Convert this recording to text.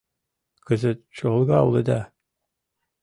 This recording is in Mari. — Кызыт чолга улыда.